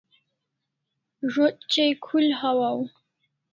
Zo't chai khul hawaw